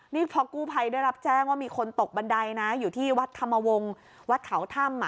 นี่พอกู้ภัยได้รับแจ้งว่ามีคนตกบันไดนะอยู่ที่วัดธรรมวงศ์วัดเขาถ้ำ